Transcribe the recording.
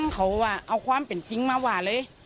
เขาว่าเอาความเป็นจริงมาว่าเลย